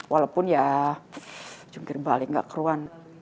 walaupun ya jungkir balik nggak keruan